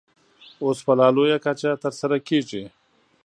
اوس په لا لویه کچه ترسره کېږي.